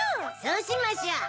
そうしましょう。